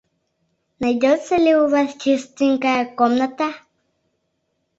Найдётся ли у вас чистенькая комната?